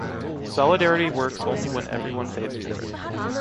Solidarity works only when everyone pays for it.